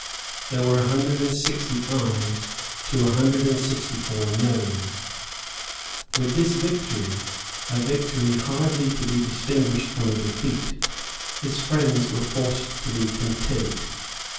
There were a hundred and sixty Ayes to a hundred and sixty four Noes. With this victory, a victory hardly to be distinguished from a defeat, his friends were forced to be content.